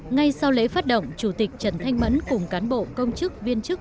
ngay sau lễ phát động chủ tịch trần thanh mẫn cùng cán bộ công chức viên chức